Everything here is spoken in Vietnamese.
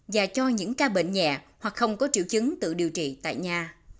và cho những ca bệnh nhẹ hoặc không có triệu chứng tự điều trị tại nhà